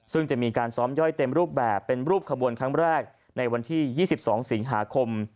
ซึ่งจะมีการซ้อมย่อยเต็มรูปแบบเป็นรูปขบวนครั้งแรกในวันที่๒๒สิงหาคม